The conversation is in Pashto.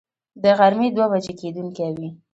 د غرمې دوه بجې کېدونکې وې.